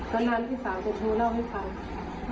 ตอนนั้นพี่สาวจะเคยเล่าให้บางคน